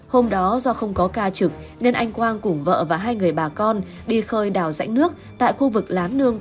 hôm đó do không có ca trực nên anh quang cùng vợ và hai người bà con đi khơi đảo dãnh nước tại khu vực lán nước